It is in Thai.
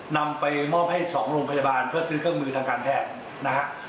นำไปมอบให้๒โรงพยาบาลเพื่อซื้อเครื่องมือทางการแพทย์นะฮะ